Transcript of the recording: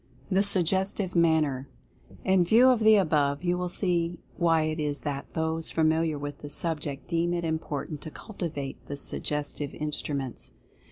THE SUGGESTIVE MANNER. In view of the above, you will see why it is that those familiar with the subject deem it important to cultivate the Suggestive Instruments.